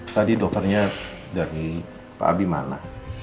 tadi dokternya dari pak abi mana